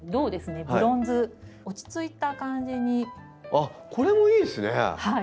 あっこれもいいですね。